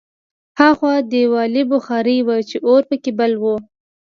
هاخوا دېوالي بخارۍ وه چې اور پکې بل و